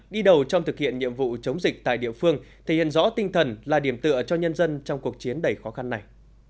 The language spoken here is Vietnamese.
đi đầu trong thực hiện nhiệm vụ chống dịch tại địa phương thể hiện rõ tinh thần là điểm tựa cho nhân dân trong cuộc chiến đầy khó khăn này